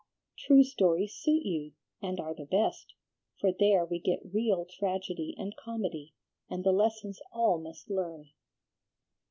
True stories suit you, and are the best, for there we get real tragedy and comedy, and the lessons all must learn."